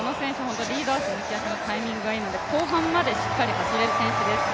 この選手、タイミングがいいので、後半までしっかり走れる選手です。